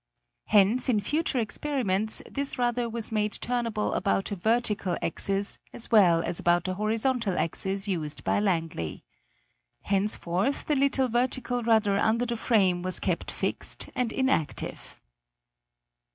Hence in future experiments this rudder was made turnable about a vertical axis, as well as about the horizontal axis used by Langley. Henceforth the little vertical rudder under the frame was kept fixed and inactive.